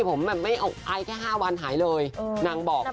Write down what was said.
ผมไม่ออกอายแค่๕วันหายเลยนางบอกนะครับ